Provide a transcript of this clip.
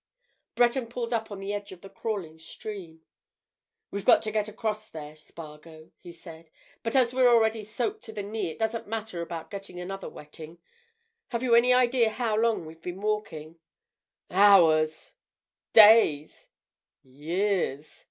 Breton pulled up on the edge of the crawling stream. "We've got to get across there, Spargo," he said. "But as we're already soaked to the knee it doesn't matter about getting another wetting. Have you any idea how long we've been walking?" "Hours—days—years!"